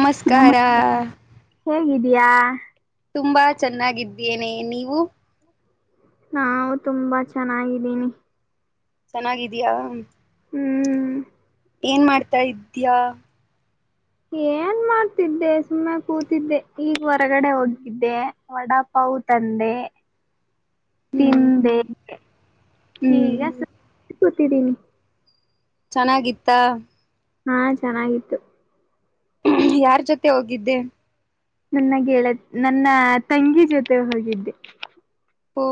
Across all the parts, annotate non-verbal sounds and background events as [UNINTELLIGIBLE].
ನಮಸ್ಕಾರ ಹೇಗಿದಯಾ ತುಂಬಾ ಚೆನ್ನಾಗಿದ್ದೇನೆ ನೀವು ನಾವ್ ತುಂಬಾ ಚೆನ್ನಾಗಿದ್ದೀನಿ ಚೆನ್ನಾಗಿದಿಯಾ ಹ್ಮ್ ಏನ್ ಮಾಡ್ತಾ ಇದ್ಯಾ ಏನ್ ಮಾಡ್ತಿದ್ದೆ ಸುಮ್ಮನೆ ಕೂತಿದ್ದೆ ಈಗ ಹೊರಗಡೆ ಹೋಗಿದ್ದೆ ವಡಾ ಪವು ತಂದೆ [UNINTELLIGIBLE] ಹ್ಮ್ ತಿಂದೆ ಹ್ಮ್ ಹೀಗ ಸರ್ ಕುತಿದಿನಿ. ಚೆನಗಿತ್ತ ಹಾ ಚೆನ್ನಾಗಿತ್ತು. ಯಾರ್ ಜೊತೆ ಹೋಗಿದ್ದೆ. ನನ್ನಗೆಳತಿ ನನ್ನ ತಂಗಿ ಜೊತೆ ಹೋಗಿದ್ದೆ. ಒ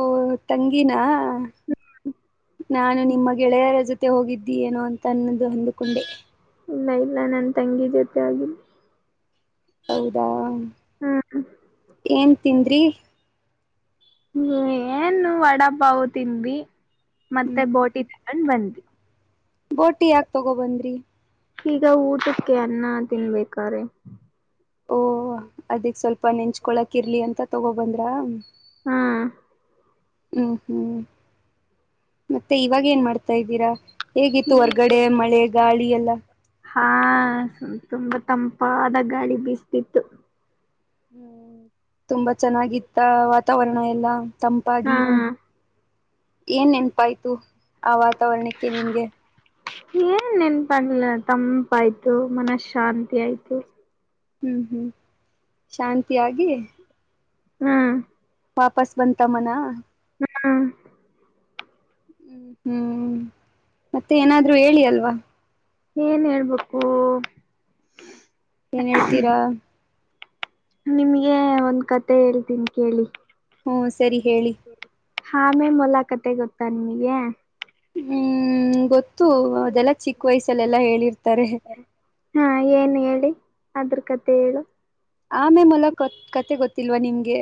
ತಂಗಿನಾ ನಾನು ನಿಮ್ಮ ಗೆಳೆಯರ ಜೊತೆ ಹೋಗಿದ್ದಿ ಏನೋ ಅಂತ ಅನ್ನದು ಅಂದುಕೊಂಡೆ. ಇಲ್ಲ ಇಲ್ಲ ನನ್ ತಂಗಿ ಜೊತೆ ಹೋಗಿನ್. ಹೌದಾ ಹ್ಮ್ ಏನ್ ತಿಂದ್ರಿ ಹ ಏನು ವಡಪಾವ್ ತಿಂಡ್ವಿ ಮತ್ತೆ ಹ್ಮ್ ಬೋಟಿ ತಿ ಣ ಬಂದ್ವಿ ಬೋಟಿ ಯಾಕ್ ತಗೋಬಂದ್ರಿ. ಈಗ ಊಟಕ್ಕೆ ಅನ್ನ ತಿನ್ಬೇಕಾರೆೆ ಓ ಅದಿಕ್ ಸ್ವಲ್ಪ ನೆನ್ಚ್ಕೊಳಕ್ ಇರ್ಲಿ ಅಂತ ತಗೋಬಂದ್ರ ಹ್ಮ ಹ್ಮ್ ಹ್ಮ್ [UNINTELLIGIBLE] ಮತ್ತೆ ಇವಾಗ ಏನ್ ಮಾಡ್ತಾ ಇದ್ದೀರಾ. ಹೇಗಿತ್ತು ಹೊರ್ಗಡೆ ಮಳೆ ಗಾಳಿ ಎಲ್ಲ ಹಾ ತುಂಬಾ ತಂಪಾದ ಗಾಳಿ ಬೀಸತಿತ್ತು. ಹ್ಮ್ ತುಂಬಾ ಚೆನ್ನಾಗಿತ್ತ ವಾತಾವರಣ ಎಲ್ಲಾ ಹಾ ತಂಪಾಗಿ. ಏನ್ ನೆನಪಾಯ್ತು ಆ ವಾತಾವರಣಕ್ಕೆ ನಿಮ್ಗೆ. ಏನ್ ನೆನಪಾಗಲ್ಲ ತಂಪ ಆಯ್ತು ಮನಸ್ ಶಾಂತಿ ಆಯ್ತು. ಹ್ಮ್ ಹ್ಮ್ ಶಾಂತಿಯಾಗಿ ಹ್ಮ್ ವಾಪಸ್ ಬಂತ ಮನ ಹ್ಮ ಹ್ಮ್ ಹ್ಮ್ ಮತ್ತೆ ಏನಾದ್ರು ಹೇಳಿ ಅಲ್ವಾ ಏನ್ ಹೇಳ್ಬೇಕು ಏನ್ ಹೇಳ್ತೀರಾ ನಿಮಗೆ ಒಂದ್ ಕತೆ ಹೇಳ್ತೀನಿ ಕೇಳಿ. ಹ್ಮ ಸರಿ ಹೇಳಿ. ಆಮೇ ಮೊಲಕಥೆ ಗೊತ್ತಾ ನಿಮ್ಗೆ ಹ್ಮ್ ಹ್ಮ್ ಗೊತ್ತು ಅದೆಲ್ಲಾ ಚಿಕ್ಕ ವಯಸಲ್ಲೆಲ್ಲಾ ಹೇಳಿರ್ತರೆ. ಹಾ ಏನ್ ಹೇಳಿ ಅದ್ರ ಕತೆ ಹೇಳು. ಆಮೇ ಮೊಲ ಕತೆ ಗೊತ್ತಿಲ್ವಾ ನಿಮ್ಗೆ.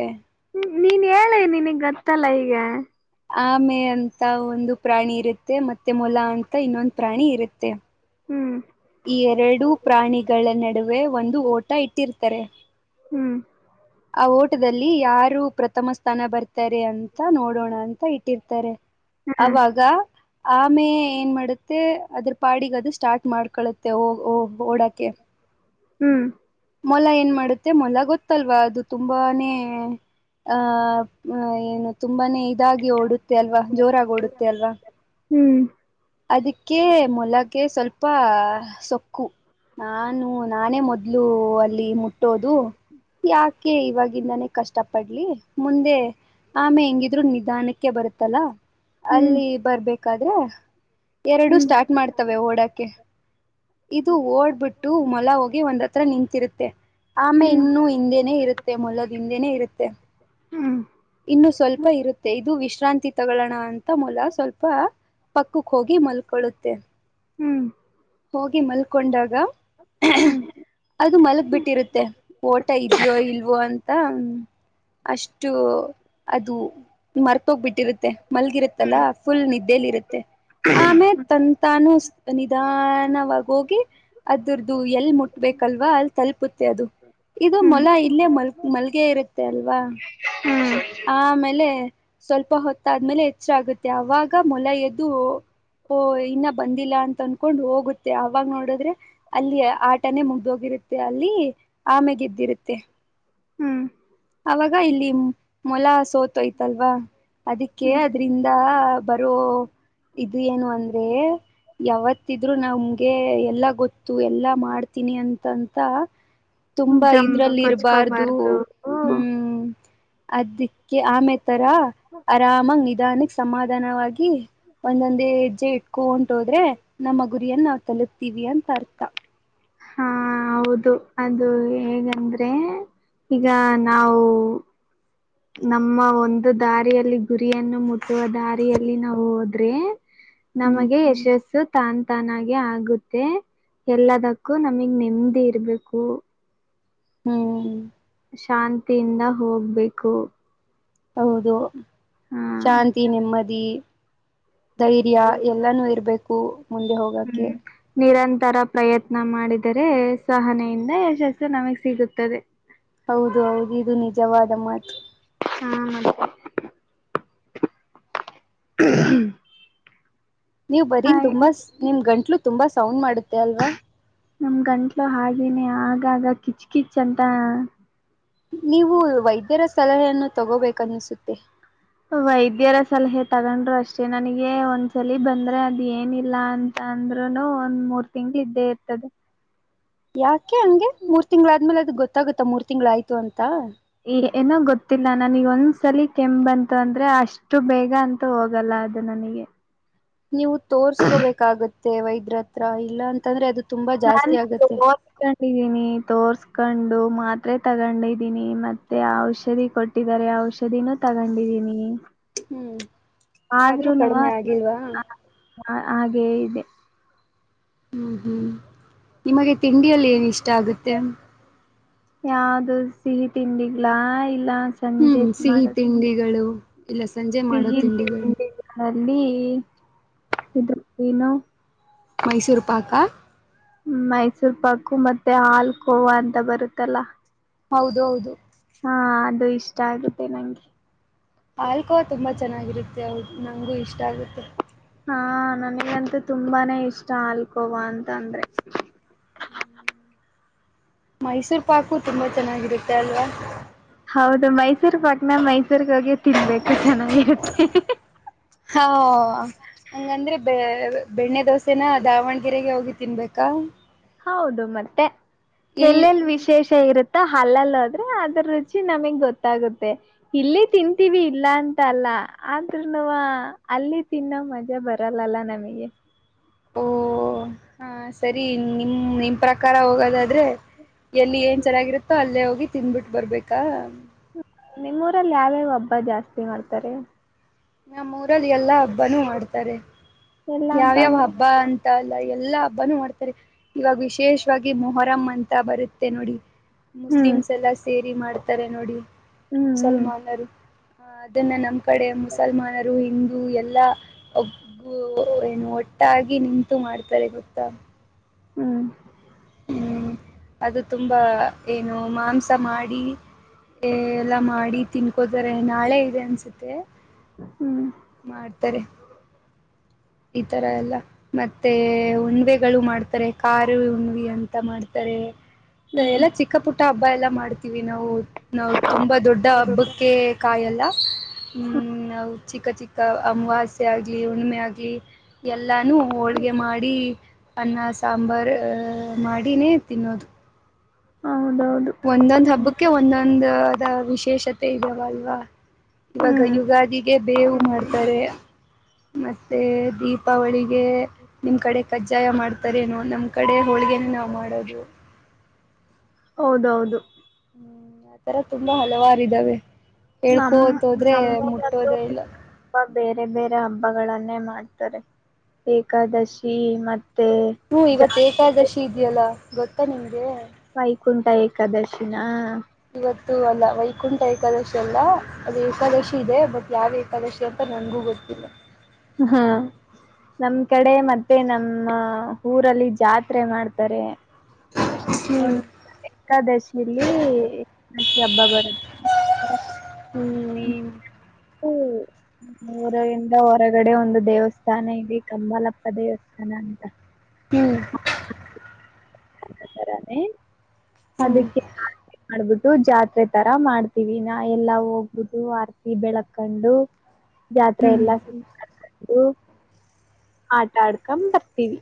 ಹ್ಮ ನೀನ್ ಹೇಳಿ ನಿನಗ್ ಗೊತ್ತಲ್ಲ ಈಗ ಆಮೆ ಅಂತ ಒಂದು ಪ್ರಾಣಿ ಇರುತ್ತೆ ಮತ್ತೆ ಮೊಲ ಅಂತ ಇನ್ನೊಂದು ಪ್ರಾಣಿ ಇರುತ್ತೆ. ಹ್ಮ್ ಈ ಎರಡೂ ಪ್ರಾಣಿಗಳ ನಡುವೆ ಒಂದು ಓಟ ಇಟ್ಟಿರ್ತರೆ. ಹ್ಮ್ ಆ ಓಟದಲ್ಲಿ ಯಾರು ಪ್ರಥಮ ಸ್ನ ಬರ್ತಾರೆ ಅಂತ ನೋಡೋಣ ಅಂತ ಇಟ್ಟಿರ್ತಾರೆ ಹಾ ಅವಾಗ ಆಮೇ ಏನ್ ಮಾಡುತ್ತೆ ಅದ್ರ ಪಾಡಿಗೆ ಅದು ಸ್ಟಾರ್ಟ್ ಮಾಡ ಹ ಕಳುತ್ತೆ ಓ ಓಡಾಕೆ ಹ್ಮ್ ಮೊಲ ಏನ್ ಮಾಡುತ್ತೆ ಮೊಲ ಗೊತ್ತಲ್ವಾ ಅದು ತುಂಬಾನೇ ಆ ಏನು ತುಂಬಾನೇ ಇದಾಗಿ ಓಡುತ್ತ ಅಲ್ವಾ ಜೋರಾಗಿಓಡುತ್ತೆ ಅಲ್ವಾ ಹ್ಮ್ ಅದಕ್ಕೆ ಮೊಲಗೆ ಸ್ವಲ್ಪ ಸೊಕ್ಕು ನಾನು ನಾನೇ ಮೊದ್ಲು ಅಲ್ಲಿ ಮುಟ್ಟೋದು ಯಾಕೆ ಇವಾಗಿಂದಾನ ಕಷ್ಟ ಪಡ್ಲಿ ಮುಂದೆ ಆಮೇ ಹೆಂಗಿದ್ರು ನಿಧಾನಕ್ಕೆ ಅಕೆ ಬರುತ್ತಲ್ಲ ಹ್ಮ್ ಹ್ಮ್ ಅಲ್ಲಿ ಬರ್ಬೇಕಾದ್ರೆ ಎರಡು ಹ್ಮ್ ಸ್ಟಾರ್ಟ್ ಮಾಡ್ತವೆ ಓಡಕ್ಕೆ ಇದು ಓಡ್ಬಿಟ್ಟು ಮೊಲ ಹೋಗಿ ಒಂದತ್ತು ನಿಂತಿರುತ್ತೆ ಆಮೆ ಇನ್ನುೂ ಹಿಂದೆನೇ ಇರುತ್ತೆ ಮೊಲದ ಹಿಂದೇನನೆ ಇರುತ್ತೆ ಇನ್ನು ಸ್ವಲ್ಪ ಇರುತ್ತೆ ಇದು ವಿಶ್ರಾಂತಿ ತಗೋಣ ಅಂತ ಮೂಲ ಸ್ವಲ್ಪ ಪಕ್ಕಕ್ಕೆ ಹೋಗಿ ಮಲ್ಕೊಳ್ಳುತ್ತೆ ಹಿ ಮಲ್ಕೊಂಡಾಗ ಅದು ಮಲಗ್ ಬಿಟ್ಟಿರುತ್ತೆ ಓಟ ಇದ್ಯೋ ಇಲ್ವೋ ಅಂತ ಅಷ್ಟು ಅದು ಮರ್ತೋಗ್ಬಿಟ್ಟಿರುತ್ತೆ ಮಲ್ಗಿರತ್ತಲ್ಲ ಫುಲ್ ನಿದ್ದೇಲಿರುತ್ತೆ ಆಮೇ ತ ತಾನು ನಿಧ ನಾವಾಗ ಹೋಗಿ ಅದರದು ಎಲ್ಲಿ ಲ್ವಾ ಅಲ್ಲಿ ತಲುಪುತ್ತೆ ಅದು ಇದು ಮೊಲ ಇಲ್ಲೇ ಮಲ್ ಮಲ್ಗೆ ಇರುತ್ತೆ ಅಲ್ವಾ ಆಮೇಲೆ ಸ್ವಲ್ಪ ಹೊತ್ತಾದ್ಮೇಲೆ ಹೆಚ್ಚಾಗುತ್ತೆ ಅವಾಗ ಮೊಲ ಎದ್ದು ಓ ಇನ್ನ ಬಂದಿಲ್ಲ ಅಂತ ಅನ್ಕೊಂಡ್ ಹೋಗುತ್ತೆ ಅವಾಗ ನೋಡಿದ್ರೆ ಅಲ್ಲಿ ಆಟನೇ ಮುಗ್ದೋಗಿ ತ್ಯ ಅಲ್ಲಿ [INAUDIBLE] ಆಮೆ ಗೆದ್ದಿರುತ್ತೆ ಅವಾಗ ಇಲ್ಲಿ ಮೊಲ ಸೋ ಯ್ತಲ್ವಾ ಅದಕ್ಕೆ ಅದ್ರಂದ ಬರೋ ಅದು ಏನು ಅಂದ್ರೆ ಯಾವತ್ತಿದ್ರು ನಮ್ಗೆ ಎಲ್ಲ ಗೊತ್ತು ಎಲ್ಲ ಮಾಡ ತನಿ ಅಂತಂತ ತುಂಬಾ ಜಂಬ ಇದ್ರಲ್ಲಿ ಇರಬಾರ್ದು ಕೊಚ್ಕೋಬಾರ್ದು ಹ್ಮ್ ಅದಕ್ಕೆ ಆಮೇತರ ಆರಾಮಾಗ ನಿಧಾನಕ್ಕೆ ಸಮಾಧಾನವಾಗಿ ಒಂದೊಂದೇ ಹೆಜ್ಜೆ ಇಟ್ಕೊ ಹೊಂಟು ಹೋದ್ರೆ ನಮ್ಮ ಗುರಿಯನ್ನ ನಾವ್ ತಲುಪ್ತೀವಿ ಅಂತ ಅರ್ಥ ಹಾ ಹೌದು ಅದು ಹೇಗಂದ್ರೆ ಈಗ ನಾವು ನಮ್ಮ ಒಂದು ದಾರಿಯಲ್ಲಿ ಗುರಿಯನ್ನು ಮುಟ್ಟುವ ದಾರಿಯಲ್ಲಿ ನಾವು ಹೋದ್ರೆ ಹ್ಮ್ ನಮಗೆ ಯಶಸ್ಸು ತಾನ ತಾನಾಗೆ ಆಗುತ್ತೆ ಎಲ್ಲದಕ್ಕೂ ನಮಗ್ ನೆಮ್ಮದಿ ಇರ್ಬೇಕು ಹ್ಮ್ ಶಾಂತಿಯಿಂದ ಹೋಗ್ಬೇಕು ಹೌದು ಹಾ ಶಾಂತಿ ನೆಮ್ಮದಿ ಧೈರ್ಯ ಎಲ್ಲಾನು ಇರ್ಬೇಕು ಮುಂದೆ ಹೋಗಕ್ಕೆ ತರ ಪ್ರಯತ್ನ ಮಾಡಿದರೆ ಸಹನೆಯಿಂದ ಯಶಸ್ಸ ನಮಗ್ ಸಿಗುತ್ತದೆ ಹೌದು ಹೌದು ಇದು ನಿಜವಾದ ಮಾತು ಹ್ಮ ನೀವು ಬರೀ ತುಂಬಾ ನಿಮ ಗಂಟ್ಲು ತುಂಬಾ ಸೌಂಡ್ ಮಾಡುತ್ತೆ ಅಲ್ವಾ ನಮ ಗಂಟ್ಲು ಹಾಗೇನೆ ಆಗಾಗ ಕಿಚ್ ಕಿಚ್ ಅಂತ ನೀವು ವೈದ್ಯರ ಸಲಹೆಯನ್ನು ತಗೋಬೇಕನ್ನಸುತ್ತೆ ವೈದ್ಯರ ಸಲಹೆ ತಗೊಂಡ್ರು ಅಷ್ಟೇ ನನಗೆ ಒಂದ್ಸಲ ಬಂದ್ರೆ ಅದ ಏನಿಲ್ಲ ಅಂತ ಅಂದ ಒಂದ್ ಮೂರ್ ತಿಂಗಳು ಇದ್ದೇ ಇರ್ತದೆ ಯಾಕೆ ಹಂಗೆ ಮೂರ್ ತಿಂಗಗಳಾದ್ಮೇಲೆ ಅದ ಗೊತ್ತಾಗುತ್ತಾ ಮೂರ್ ತಿಂಗಳು ಆಯ್ತು ಅಂತ ಏನೋ ಗೊತ್ತಿಲ್ಲ ನನಗೆ ಒಂದ್ಸಲಿ ಕೆಮ್ಮುಅಂದ್ರೆ ಅಷ್ಟು ಬೇಗ ಅಂತೂ ಹೋಗಲ್ಲ ಅದು ನನಗೆ ನೀವು ತೋರ್ಸ್ಕೋಬೇಕಾಗತ್ತೆ ವೈದ್ಯ್ರ ಹತ್ರ ಇಲ್ಲ ಅಂತಂದ್ರೆ ಅದು ತುಂಬಾ ನಾನು ಜಾಸ್ತಿ ಆಗತ್ತೆ ತೋರ್ಸ್ಕೊಂಡಿದೀನಿ ತೋರ್ಸ್ಕೊಂಡು ಮಾತ್ರೆ ತಗೊಂಡಿದ್ದೀನಿ ಮತ್ತೆ ಔಷಧಿ ಕೊಟ್ಟಿದ್ದಾರೆ ಔಷ ದಿನ ತಗೊಂಡಿದೀನಿ ಹ್ಮ್ ಆದ್ರೂ ಆದ್ರೂನು ಕಡಿಮೆ ಆಗಿಲ್ವಾ ಹಾಗೇ ಇದೆ ಹ್ಮ್ ಹ್ಮ್ ನಿಮಗೆ ತಿಂಡಿಯಲ್ಲಿ ಏನ್ ಇಷ್ಟ ಆಗುತ್ತೆ ಯಾವ್ದು ಸಿಹಿ ತಿಂಡಿಗ್ಲಾ ಇ ಹ್ಮ್ ಸಂಜೆತ್ ಮಾಡ ಸಿಹಿ ತಿಂಡಿಗಳು ಇಲ್ಲ ಸಂಜೆ ಮಾಡೋ ತಿಂಡಿಗಳು [INAUDIBLE] ಅಲ್ಲಿ ಇದ್ರ ಏನು [INAUDIBLE] ಮೈಸೂರು ಪಾಕ ಮೈಸೂರ್ ಪಾಕು ಮತ್ತೆ ಹಾಲ್ ಕೋವಾ ಅಂತ ಬರುತ್ತಲ್ಲ ಹೌದು ಹೌದು ಹಾ ಅದು ಇಷ್ಟ ಆಗುತ್ತೆ ನಂಗೆ ಹಾಲ್ಕೋ ತುಂಬಾ ಚೆನ್ನಾಗಿರುತ್ತೆ ಹೌದು ನಂಗೂ ಇಷ್ಟ ಆಗುತ್ತೆ ಹಾ ನನಗಂತೂ ತುಂಬಾನೇ ಇಷ್ಟ ಹಲ್ಕೋವಾ ಅಂತ ಅಂದ್ರೆ ಹ್ಮ್ [UNINTELLIGIBLE] ಮೈಸೂರು ಪಾಕು ತುಂಬಾ ಚೆನ್ನಾಗಿರುತ್ತೆ ಅಲ್ವಾ ಹೌದು ಮೈಸೂರ್ ಪಕ್ನ ಮೈಸೂರ್ಗ ಹೋಗಿ ತಿನ್ಬೇಕು ಚೆನ್ನಾಗಿತ್ತೆ [UNINTELLIGIBLE] ಬೆ ಬೆಣ್ಣೆ ದೋಸೆನ ದಾವಣ್ಗೆರೆಗೆ ಹೋಗಿ ತಿನ್ಬೇಕಾ ಹೌದು ಮತ್ತೆ ಇಲ್ ಎಲ್ಲೆಲ್ಲಿ ವಿಶೇಷ ಇರುತ್ತೆ ಹಲ್ಲಲ್ಲದ್ರೆ ಅದ್ರ ರುಚಿ ನಮಗ್ ಗೊತ್ತಾಗುತ್ತೆ ಇಲ್ಲ ತಿಂತೀವಿ ಇಲ್ಲ ಅಂತ ಅಲ್ಲ ಆದ್ೂನುವ ಅಲ್ಲಿ ತಿನ್ನೋ ಮಜಾ ಬರಲ್ಲಲ್ಲ ನಮಗೆ ಓ ಹಾ ಸರಿ ನಿಮ್ ನಿಮ್ ಪ್ರಕಾರ ಹೋಗೋದಾದ್ರೆ ಎಲ್ಲಿ ಏನ್ ಚೆನ್ನಾಗಿರುತ್ತೋ ಅಲ್ಲೇ ಹೋಗಿ ತಿನ್್ಬಿಟ್ಟ ಬರ್ಬೇಕಾ ನಿಮ್ಮೂರಲ್ಲಿ ಯಾವ್ಯಾವ ಒಬ್ಬ ಜಾಸ್ತಿ ಮಾಡ್ತಾರೆ ನಮ್ಮ ಊರಲ್ಲಿ ಎಲ್ಲಾ ಹಬ್ಬಾನೂ ಮಾಡ್ತಾರೆ ಎಲ್ಲಾ ಯಾವ್ಯಾವ ಅಂದ್ರೆ ಹಬ್ಬ ಅಂತಲ್ಲ ಎಲ್ಲಾ ಹಬ್ಬನುೂ ಮಾಡ್ತಾರೆ ಇವಾಗ ವಿಶೇಷವಾಗಿ ಮೊಹರಂ ಅಂತ ಬರುತ್ತೆ ನೋಡಿ ಹ್ಮ್ ಮುಸ್ಲಿಮ್ಸ್ ಎಲ್ಲ ಸೇರಿ ಮಾಡ್ತಾರೆ ನೋಡಿ ಹ್ಮ್ ಹ್ಮ್ ಮುಸಲ್ಮಾನರು ಹ ಅದನ್ನ ನಮ್ ಕಡೆ ಮು ಮುಸಲ್ಮಾನರು ಹಿಂದೂ ಎಲ್ಲಾ ಒಬ್ಗು ಏನು ಒಟ್ಟಾಗಿ ನಿಂತು ಮಾಡ್ತಾರೆರು ಕುತ್ತ ಹ್ಮ್ ಅದು ತುಂಬಾ ಏನು ಮಾಂಸ ಮಾಡಿ ಎಲ್ಲಾ ಮಾಡಿ ತಿನ್ಕೋತಾರೆ ನಾಳೆ ಇದೆ ಅನ್ಸುತ್ತೆ ಹ್ಮ್ ಮಾಡ್ತಾರೆ ಈ ತರ ಎಲ್ಲ ಮತ್ತೆ ಉಣ್ವೆಗಳು ಮಾಡ್ತಾರೆ ಖ ಹುಣವಿ ಅಂತ ಮಾಡ್ತಾರೆ ಹ್ಮ್ ಎಲ್ಲ ಚಿಕ್ಕ ಪುಟ್ಟ ಹಬ್ಬ ಎಲ್ಲಾ ಮಾಡ್ತೀವಿ ನಾವು ನಾವು ತುಂಬಾ ದೊಡ್ಡ ಹಬ್ಬಕ್ಕೆ ಕಾಯಲ್ಲ ಹ್ಮ್ ನಾ ಚಿಕ್ಕ ಚಿಕ್ಕ ಅಮವಾಸ್ಯ ಆಗ್ಲಿ ಉುಣಮೆ ಆಗ್ಲಿ ಎಲ್ಲಾನು ಹೋಳ್ಗೆ ಮಾಡಿ ಅನ್ನ ಸಾಂಬಾರ್ ಮಾಡಿನೇ ತಿನ್ನೋದು ಹೌದೌದು ಒಂದೊಂದ್ ಹಬ್ಬಕ್ಕೆ ಒಂದೊಂದ ವಿಶೇಷತೆ ಇದಾವ ಅಲ್ವಾ ಇವಾಗ ಹ್ಮ್ ಯುಗಾದಿಗೆ ಬೇವು ಮಾಡ್ತಾರೆ ಮತ್ತೆ ದೀಪಾವಳಿ ನಿಮ್ ಕಡೆ ಕಜ್ಜಾಯ ಮಾಡ್ತಾರೇನೋ ನಮ್ ಕಡೆ ಹೋಳಿಗೆನ ನಾವು ಮಾಡೋದು ಹೌದೌದು ಹ್ಮ್ ಆತರ ತುಂಬಾ ಹಲವಾರ್ದಾವೆ ನಮ್ ಹೇಳ್ಕೋತೋದ್ರೆ ನಮ್ಮೂರಲ್ಲೂ ಮುಟ್ಟೋದೇ ಇಲ್ಲ ಹಬ್ಬ ಬೇರೆ ಬೇರೆ ಹಬ್ಬಗಳನ್ನೇ ಮಾಡ್ತಾರೆ ಏಕಾದಶಿ ಮ ಹೂ ಇವತ್ ಏಕಾದಶಿ ಇದೆಯಲ್ಲ ಗೊತ್ತಾ ನಿಮ್ಗೆ ಕುಂಠ ಏಕಾದಶಿನ ಇವತ್ತು ಅಲ್ಲ ವೈಕುಂಠ ಏಕಾದಶಿ ಅಲ್ಲ ಅದು ಏಕಾದಶಿ ಇದೆ ಬಟ್ ಯಾವ್ ಏಕಾದಶಿ ಅಂತ ನಾನಗೂ ಗೊರ್ತಿಲ್ಲ ಹಾ ನಮ್ ಕಡೆ ಮತ್ತೆ ನಮ್ಮ ಊರಲ್ಲಿ ಜಾತ್ರೆ ಮಾಡ್ತಾರೆ ಹ್ಮ್ ಒಂದ ಏಕಾದಶಿಲಿ ಕಕ್ಕಿ ಹಬ್ಬ ಬರುದು ಹ್ಮ್ ಓ ಮ್ಮ ಊರರಿಂದ ಹೊರಗಡೆ ಒಂದು ದೇವಸ್ಥಾನ ಇದೆ ಕಂಬಾಲಪ್ಪ ದೇವಸ್ಥಾನ ಅಂತ ಹ್ಮ್ ಹ್ಮ್ ಅದಕ್ಕೆ ಮಾಡ್ಬಿಟ್ಟು ಜಾತ್ರೆ ತರ ಮಾಡ್ತೀವಿ ನಾ ಎಲ್ಲಾ ಹೋಗ್ಬಿಟ್ಟು ಆರ್ತಿ ಬೆಳಕಂಡು ಹ [INAUDIBLE] ಜಾತ್ರೆ ಹ್ಮ್ ಎಲ್ಲ ಸುು ಆಟ ಆಡ್ಕೊಂಡ್ ಬರ್ತೀವಿ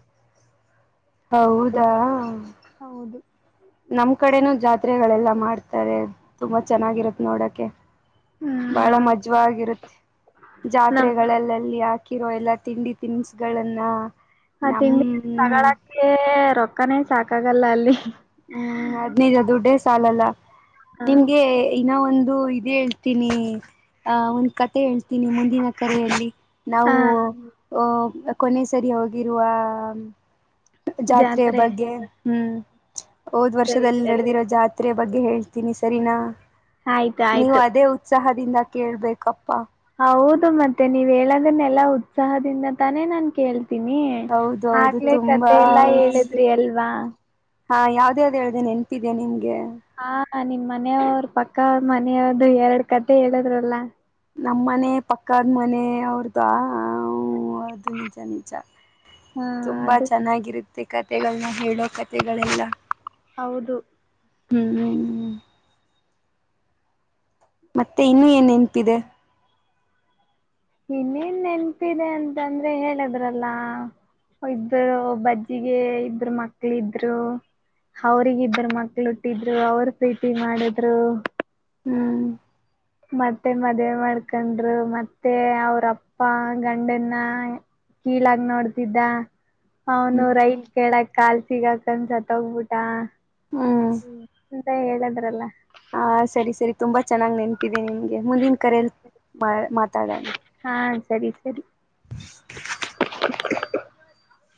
ಹೌದಾ ಹೌದು ನಮ್ ಕಡೆನೂ ಜಾತ್ರೆಗಳೆಲ್ಲ ಮಾಡ್ತಾರೆ ತುಂಬಾ ಚೆನ್ನಾಗಿರತ್ ನೋಡಕೆ ಹ್ಮ್ ಬಹಳ ನಮ್ ಮಜ್ವಗರುತ್ತೆ ನಮ್ ಜಾತ್ರೆಗಳಲ್ಲೆಲ್ಲಿ ಹಾಕಿರೋ ಎಲ್ಲಾ ತಿಂಡಿ ತಿನಸುಗಳನ್ನ ಹ ತಿಂಡಿ ತಗಳಕ್ಕೆ ರೊಕ್ಕನೇ ಸಾಕಾಗಲ್ಲ ಅಲ್ಲಿ ಹ್ಮ್ ಹದ್ನೈದು ದದುಡ್ಡೇ ಸಾಲಲ್ಲ ಹ ನಿಮ್ಗೆ ಇನ್ನ ಒಂದು ಇದು ಇದೇ ಹೇಳ್ತೀನಿ ಅಹ ಒಂದ್ ಕತೆ ಹೇಳ್ತೀನಿ ಮುಂದಿನ ಕರೆಯಲ್ಲಿ ನಾವು ಹಾ ಅಹ ಕೊನೆ ಸರಿ ಹೋಗಿರುವ ಜಾತ್ರೆಯ ಜಾತ್ರೆ ಬಗ್ಗೆ ಹ್ಮ್ ಹೋದ್ ಸರಿ ವರ್ಷದಲ್ಲಿ ಸರಿ ನಡೆದಿರೋ ಜಾತ್ರೆಯ ಬಗ್ಗೆ ಹೇಳ್ತಿ ಸರಿನಾ ಆಯ್ತು ನೀವು ಆಯ್ತು ಅದೇ ಉತ್ಸಾಹದಿಂದ ಕೇಳ್ಬೇಕಪ್ಪಾ ಹೌದು ಮತ್ತೆ ನೀವ್ ಹೇಳೋದನ್ನೆಲ್ಲಾ ಉತ್ಸಾಹದಿಂದ ತಾನೇ ನಾನ್ ಕೇಳ ನಿ ಹೌದು ಹೌದು ಹಕ್ಲೆ ತುಂಬಾ ಕತೆೆ ಎಲ್ಲಾ ಉತ್ಸ ಹೇಳಿದ್ರಿ ಅಲ್ವಾ ಹಾ ಯಾವ್ದೇ ಅ್ದ ಹೇಳ್ದೇನೆ ನೆನ್ಪಿದೇ ನಿಮಗೆ ಹ ನಿನ್ ಮನೆಯವರು ಪಕ್ಕ ಅವ ಮನೆಯವ್ದ ಎರಡ್ ಕತೆೆ ಹೇಳಿದ್ರಲ್ಲ ನಮ್ಮ ಮನೆ ಪಕ್ಕದ ಮನೆ ಅವ್ರ್ದು ಅದು ನಿಂಚ ನಿಚ ಹಾ ತುಂಬಾ ಅದು ಚ- ಚೆನ್ನಾಗಿರುತ್ತೆ ಕತೆಗಳನ್ನ ಹೇಳೋ ಕತೆೆಗಳೆಲ್ಲ ಹೌದು ಹ್ಮ್ ಮತ್ತೆ ಇನ್ನುೂ ಏನ್ ನೆನ್ಪಿದೆ ಇನ್ನೇನ್ ನೆನಪಿದೆ ಅಂತಂದ್ರೆ ಹೇಳಿದ್ರಲ್ಲ ಇಬ್ಬರು ಒಬ್ಬ ಅಜ್ಜಿಗೆ ಇಬ್ಬರು ಮಕ್ಳ ಇದ್ರು ಅವರ್ ಇಬ್ಬರು ಮಕ್ಳ ಹಟ್ಟಿದ್ರು ಅವ್ರ ಪ್ರೀತಿ ಮಾಡಿದ್ರು ಹೂ ಮತ್ತೆ ಮದ್ವೆೆ ಮಾಡ್ಕೊಂಡ್ರು ಮತ್ತೆ ಅವ್ರಪ್ಪ ಗಂಡನ್ನ ಕೀಳಾಗ ನೋಡ್ತಿದ್ದ ಅವನು ಹ್ಮ್ ರೈಲ್ ಕೇಳಕ್ ಕಾಲ್ಸಿಗಾಕನ್ಸತ್ೋಗಬಿಟ ಹ್ಮ್ ಎಂತ ಹೇಳದ್ರಲ್ಲ ಹಾ ಸರಿ ಸರಿ ತುಂಬಾ ಚೆನ್ನಾಗ್ ನೆನಪಿದೆ ನಿಮಗೆ ಮುಂದಿನ ಕರೆಯಲ್ಲಿ ಮಾತಾಡಣ ಹಾ ಸರಿ ಸರಿ [INAUDIBLE] [UNINTELLIGIBLE]